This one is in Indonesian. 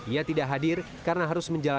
ia tidak hadir karena harus menjalani